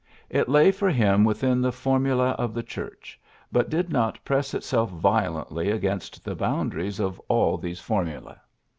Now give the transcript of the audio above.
It lay for him within the form ulae of the Church, but did not press itself violently against the boundaries of all these formulae.